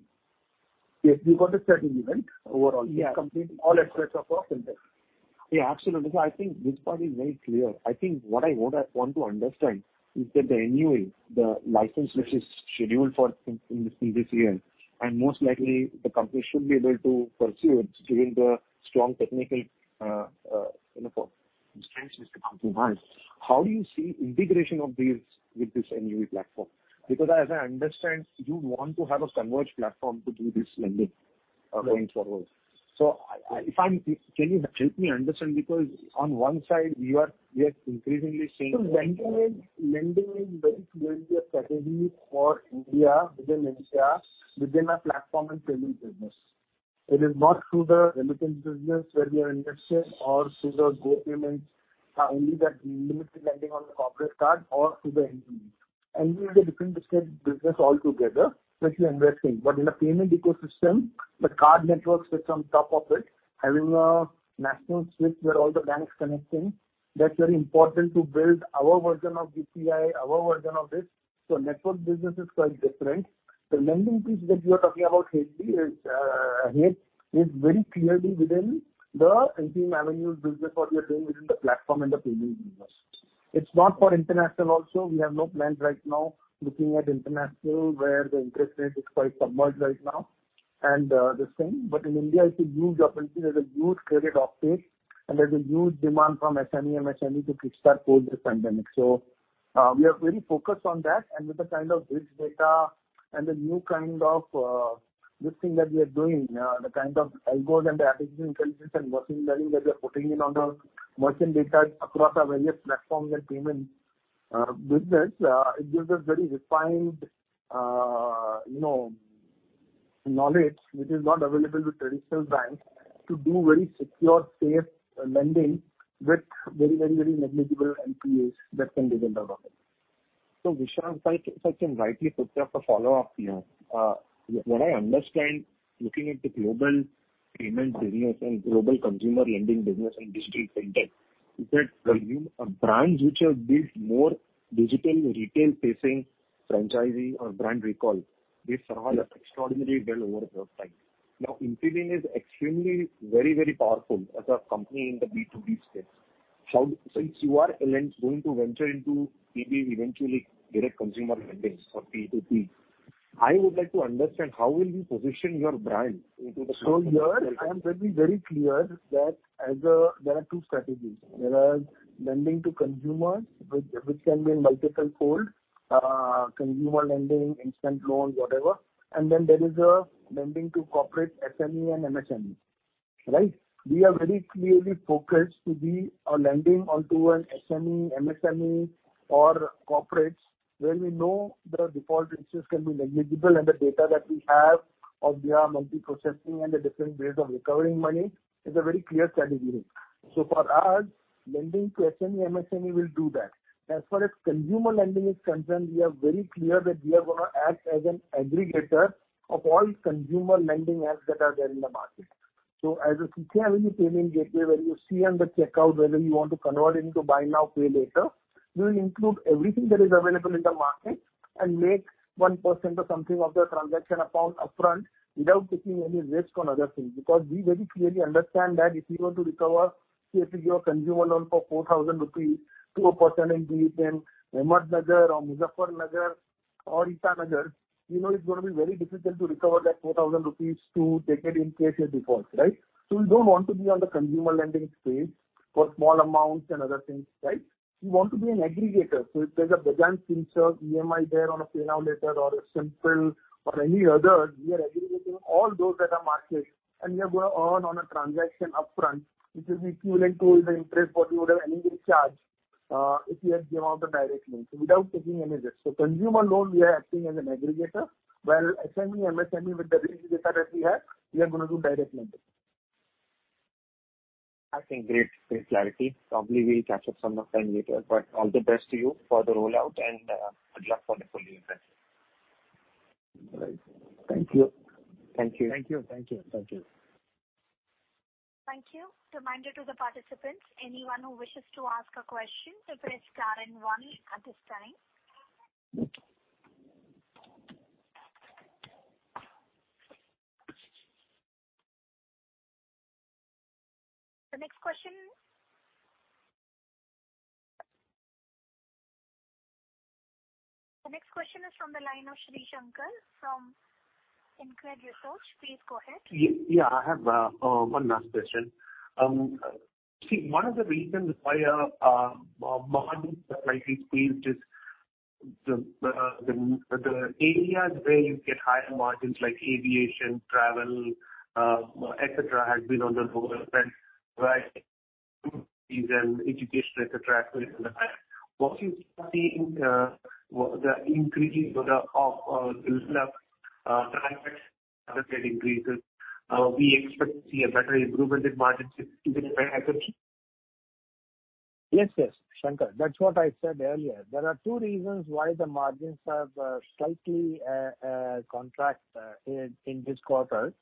Yes, we've got a certain event overall. Yeah. All aspects of our fintech. Yeah, absolutely. I think this part is very clear. I think what I want to understand is that the NUE, the license which is scheduled in this fiscal year. Most likely the company should be able to pursue it given the strong technical strength which the company has. How do you see integration of these with this NUE platform? As I understand, you want to have a converged platform to do this lending going forward. Can you help me understand? On one side, we are increasingly seeing. Lending is very clearly a strategy for India, within India, within our platform and payment business. It is not through the remittance business where we are invested or through the Go Payments, only that limited lending on the corporate card or through the NUE. NUE is a different discrete business altogether, which we are investing. In a payment ecosystem, the card network sits on top of it. Having a national switch where all the banks connect in, that's very important to build our version of UPI, our version of this. Network business is quite different. The lending piece that you are talking about, Het, is very clearly within the Infibeam Avenues business what we are doing within the platform and the payment business. It's not for international also. We have no plans right now looking at international, where the interest rate is quite submerged right now. This thing, in India it's a huge opportunity. There's a huge credit uptake and there's a huge demand from SME and MSME to kickstart post this pandemic. We are very focused on that and with the kind of rich data and the new kind of this thing that we are doing, the kind of algorithm, the artificial intelligence and machine learning that we are putting in on the merchant data across our various platforms and payment business. It gives us very refined knowledge which is not available to traditional banks to do very secure, safe lending with very negligible NPAs that can be done on it. Vishwas, if I can rightly put just a follow-up here. What I understand, looking at the global payment business and global consumer lending business and digital fintech, is that brands which have built more digital retail-facing franchisee or brand recall, they've done extraordinarily well over a period of time. Infibeam is extremely, very powerful as a company in the B2B space. Since you are going to venture into maybe eventually direct consumer lending for B2B, I would like to understand how will you position your brand into the consumer space? Here I am very clear that there are two strategies. There are lending to consumers, which can be in multiple fold. Consumer lending, instant loans, whatever. Then there is a lending to corporate SME and MSME. Right? We are very clearly focused to be on lending onto an SME, MSME or corporates where we know the default interest can be negligible and the data that we have of their multi-processing and the different ways of recovering money is a very clear strategy here. For us, lending to SME, MSME will do that. As far as consumer lending is concerned, we are very clear that we are going to act as an aggregator of all consumer lending apps that are there in the market. As a CCAvenue payment gateway, when you see on the checkout whether you want to convert into buy now, pay later, we will include everything that is available in the market and make 1% or something of the transaction amount upfront without taking any risk on other things. We very clearly understand that if you want to recover, say, if you give a consumer loan for 4,000 rupees to a person in, say, Ahmadnagar or Muzaffarnagar or Itanagar, you know it's going to be very difficult to recover that 4,000 rupees to take it in case you default, right? We don't want to be on the consumer lending space for small amounts and other things, right? We want to be an aggregator. If there's a Bajaj Finserv EMI there on a pay now later or a Simpl or any others, we are aggregating all those that are market, and we are going to earn on a transaction upfront, which will be equivalent to the interest what you would have anyway charged if we had given out the direct link, so without taking any risk. Consumer loan, we are acting as an aggregator, while SME, MSME, with the rich data that we have, we are going to do direct lending. I think great clarity. Probably we'll catch up some other time later. All the best to you for the rollout and good luck for the full year then. Right. Thank you. Thank you. Thank you. Thank you. Thank you. Thank you. The next question is from the line of Sreesankar from InCred Research. Please go ahead. Yeah, I have one last question. See, one of the reasons why your margins have slightly squeezed is the areas where you get higher margins like aviation, travel, et cetera, has been on the lower end, right, and education, et cetera? What you see in the increasing increases, we expect to see a better improvement in margins, is it a fair assumption? Yes, Sankar. That's what I said earlier. There are two reasons why the margins have slightly contract in this quarter,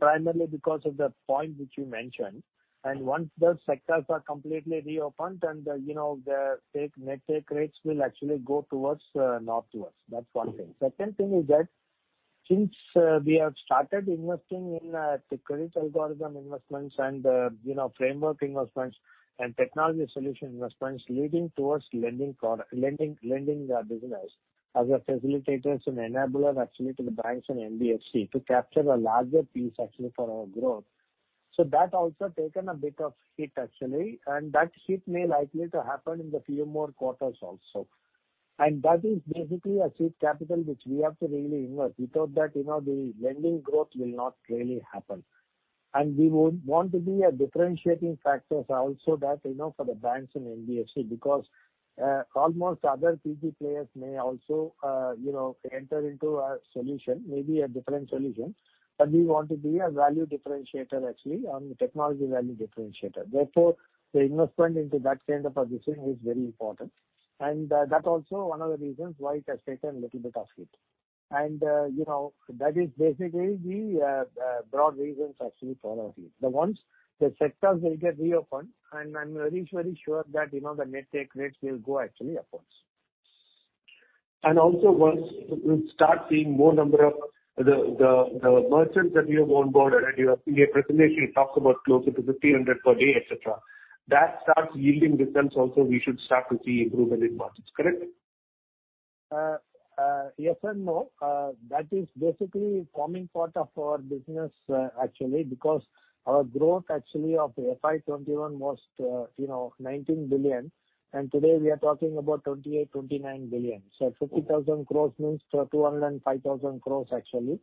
primarily because of the point which you mentioned. Once those sectors are completely reopened, then the net take rates will actually go towards. Second thing is that since we have started investing in the credit algorithm investments and framework investments and technology solution investments leading towards lending business as a facilitator and enabler actually to the banks and NBFC to capture a larger piece actually for our growth. That also taken a bit of hit actually, and that hit may likely to happen in the few more quarters also. That is basically a seed capital which we have to really invest. Without that, the lending growth will not really happen. We would want to be a differentiating factors also that for the banks and NBFC because almost other PG players may also enter into a solution, maybe a different solution. We want to be a value differentiator actually on the technology value differentiator. Therefore, the investment into that kind of a business is very important. That also one of the reasons why it has taken a little bit of hit. That is basically the broad reasons actually for our hit. Once the sectors will get reopened and I'm very sure that the net take rates will go actually upwards. Once you start seeing more number of the merchants that you have onboarded, and your presentation talks about closer to 1,500 per day, et cetera. That starts yielding returns also, we should start to see improvement in margins, correct? Yes and no. That is basically coming part of our business, actually, because our growth actually of FY 2021 was $19 billion. Today we are talking about $28 billion, $29 billion. 50,000 crore means 205,000 crore actually.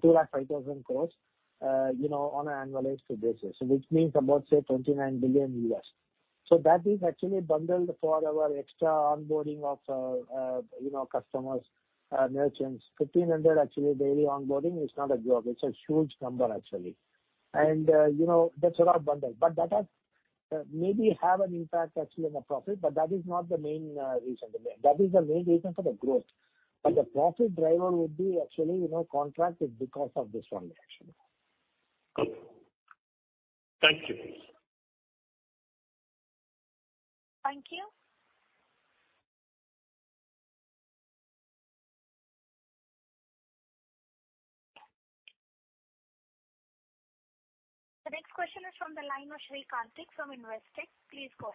205,000 crore on an annualized basis, which means about, say, $29 billion. That is actually bundled for our extra onboarding of customers, merchants. 1,500 actually daily onboarding is not a joke. It's a huge number, actually. That's a lot of bundle. That has maybe have an impact actually on the profit, but that is not the main reason. That is the main reason for the growth. The profit driver would be actually contracted because of this one, actually. Good. Thank you. Thank you. The next question is from the line of Sri Karthik from Investec. Please go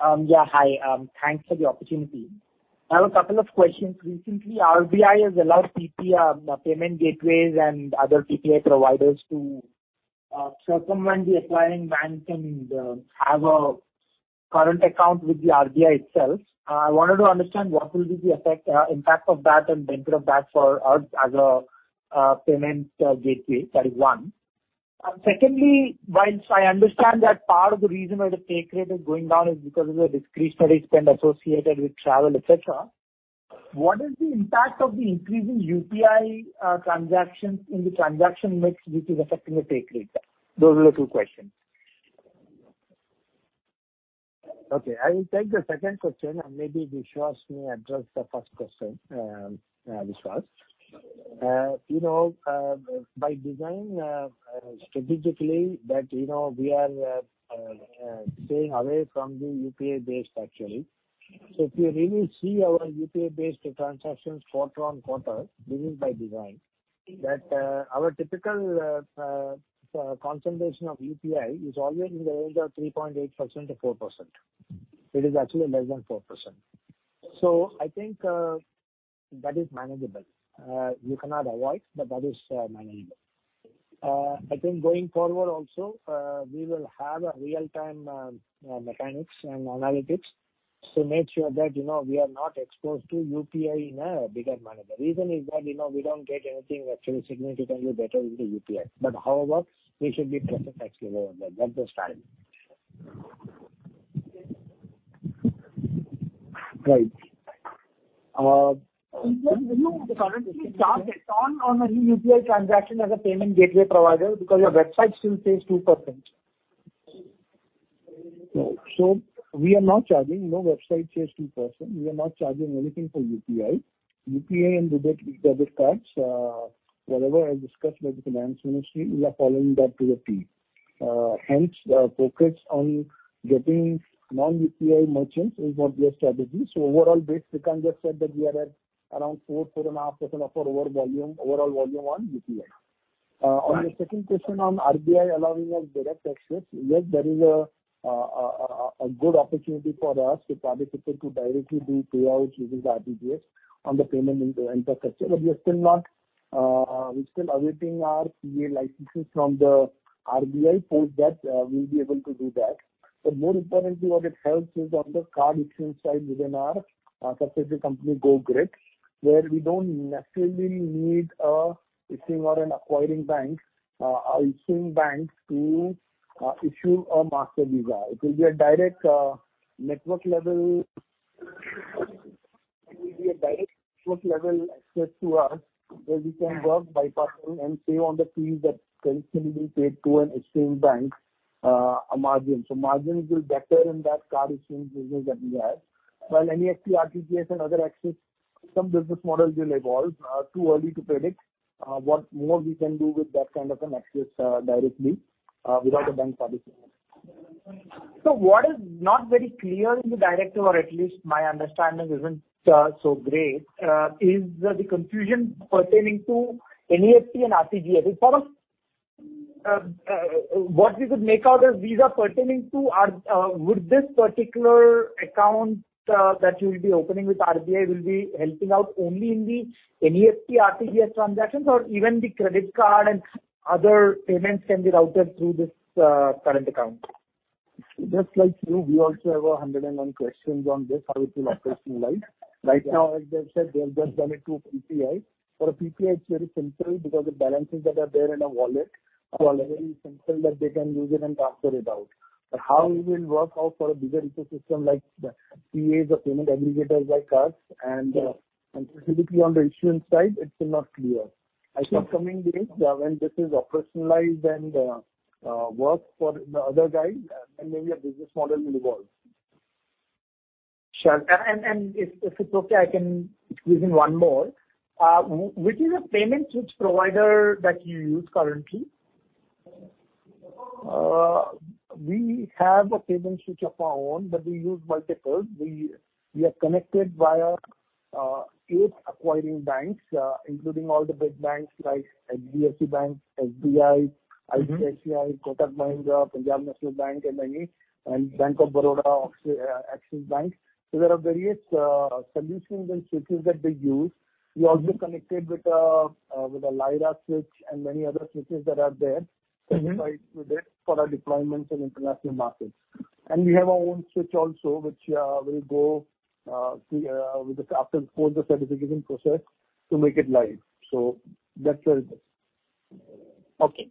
ahead. Yeah, hi. Thanks for the opportunity. I have a couple of questions. Recently, RBI has allowed payment gateways and other PPI providers to circumvent the acquiring banks and have a current account with the RBI itself. I wanted to understand what will be the impact of that and benefit of that for us as a payment gateway. That is one. Secondly, whilst I understand that part of the reason why the take rate is going down is because of the discretionary spend associated with travel, et cetera, what is the impact of the increase in UPI transactions in the transaction mix, which is affecting the take rate? Those are the two questions. Okay, I will take the second question, and maybe Vishwas may address the first question. Vishwas? By design, strategically, we are staying away from the UPI base, actually. If you really see our UPI-based transactions quarter on quarter, this is by design, that our typical concentration of UPI is always in the range of 3.8%-4%. It is actually less than 4%. I think that is manageable. You cannot avoid, but that is manageable. I think going forward also, we will have real-time mechanics and analytics to make sure that we are not exposed to UPI in a bigger manner. The reason is that we don't get anything actually significantly better with the UPI. However, we should be present actually over there. That's the strategy. Right. Do you currently charge a ton on a UPI transaction as a payment gateway provider because your website still says 2%? We are not charging. No website says 2%. We are not charging anything for UPI. UPI and RuPay debit cards, whatever is discussed by the finance ministry, we are following that to a T. Focus on getting non-UPI merchants is what their strategy. Overall base, we can just said that we are at around 4.5% of our overall volume on UPI. On your second question on RBI allowing us direct access, yes, there is a good opportunity for us with participants to directly do payouts using the RTGS on the payment infrastructure. We're still awaiting our PA licenses from the RBI. Post that, we'll be able to do that. More importantly, what it helps is on the card issuance side within our subsidiary company, Grit, where we don't necessarily need an acquiring bank, issuing banks to issue a Mastercard Visa. It will be a direct network-level access to us where we can work bypassing and save on the fees that currently we paid to an issuing bank, a margin. Margin is better in that card issuance business that we have. While NEFT, RTGS, and other access, some business models will evolve. Too early to predict what more we can do with that kind of an access directly without a bank participation. What is not very clear in the directive, or at least my understanding isn't so great, is the confusion pertaining to NEFT and RTGS. What we could make out is these are pertaining to Would this particular account that you'll be opening with RBI will be helping out only in the NEFT, RTGS transactions, or even the credit card and other payments can be routed through this current account? Just like you, we also have 101 questions on this, how it will operationalize. Right now, as they've said, they have just done it through PPI. For a PPI, it's very simple because the balances that are there in a wallet are very simple that they can use it and transfer it out. How it will work out for a bigger ecosystem like PAs or payment aggregators like us, and specifically on the issuance side, it's still not clear. I think coming days, when this is operationalized and works for the other guys, then maybe a business model will evolve. Sure. If it's okay, I can squeeze in one more. Which is a payment switch provider that you use currently? We have a payment switch of our own. We use multiples. We are connected via eight acquiring banks, including all the big banks like HDFC Bank, SBI, ICICI, Kotak Mahindra, Punjab National, Bank of Baroda, Axis Bank. There are various solutions and switches that they use. We also connected with a Lyra switch and many other switches that are there for our deployments in international markets. We have our own switch also, which will go after, of course, the certification process to make it live. That's where it is. Okay.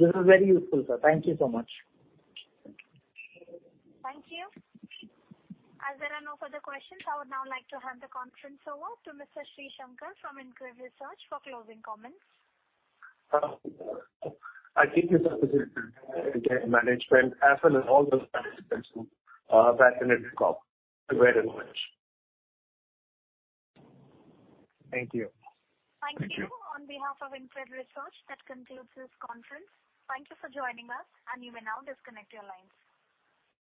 This is very useful, sir. Thank you so much. Thank you. As there are no further questions, I would now like to hand the conference over to Mr. Sreesankar from InCred Research for closing comments. I thank you, management, as well as all the participants who participated in the call. Thank you very much. Thank you. Thank you. On behalf of InCred Research, that concludes this conference. Thank you for joining us, and you may now disconnect your lines.